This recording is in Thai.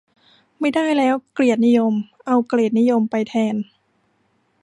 ไม่ได้แล้วเกียรตินิยม เอาเกรดนิยมไปแทน